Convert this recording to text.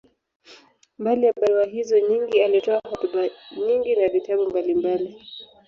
Mbali ya barua hizo nyingi, alitoa hotuba nyingi na vitabu mbalimbali.